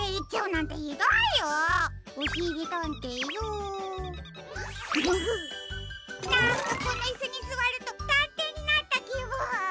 なんかこのイスにすわるとたんていになったきぶん。